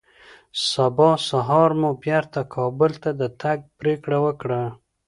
سبا سهار مو بېرته کابل ته د تګ پرېکړه وکړه